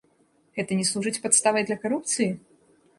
Гэта не служыць падставай для карупцыі?